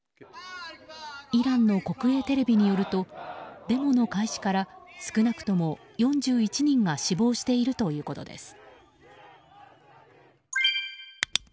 イランの国営テレビによるとデモの開始から少なくとも４１人が死亡しているということです。